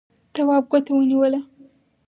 تواب ګوته ونيوله.